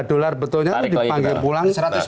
dollar betulnya dipanggil pulang